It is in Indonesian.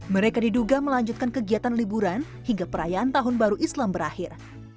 mereka diduga melanjutkan kegiatan liburan hingga perayaan tahun baru islam berakhir